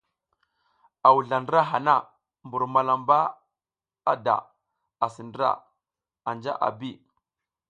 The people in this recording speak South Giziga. A wuzla ndra hana, mbur malamba da asi ndra anja a bi.